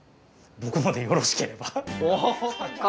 僕のでよろしければ。